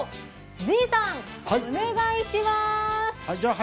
神さん、お願いします。